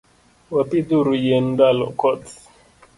Wapidhuru yien ndalo koth.